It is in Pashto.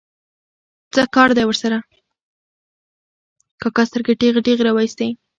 کاکا سترګې ټېغې ټېغې را وایستې.